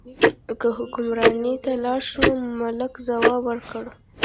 که حکمرانۍ ته لاړ شو، ملک ځواب ورکړ.